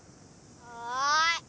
はい。